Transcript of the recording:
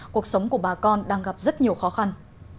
cuộc sống của bà con đang gặp rất nhiều khó khăn